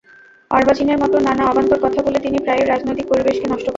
অর্বাচীনের মতো নানা অবান্তর কথা বলে তিনি প্রায়ই রাজনৈতিক পরিবেশকে নষ্ট করেন।